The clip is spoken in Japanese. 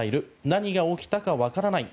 何が起きたか分からない。